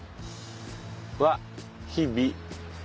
「は日々」。